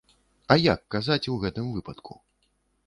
А як казаць у гэтым выпадку?